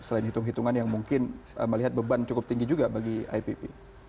selain hitung hitungan yang mungkin melihat beban cukup tinggi juga bagi ipp